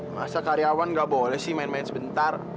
masa karyawan gak boleh sih main main sebentar